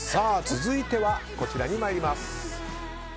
続いては、こちらに参ります。